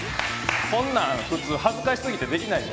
こんなん普通恥ずかしすぎてできない。